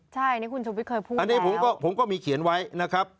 ใช่นี่คุณชูวิทย์เคยพูดอันนี้ผมก็มีเขียนไว้นะครับ